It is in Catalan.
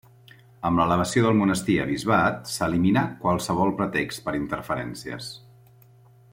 Amb l'elevació del monestir a bisbat s'eliminà qualsevol pretext per interferències.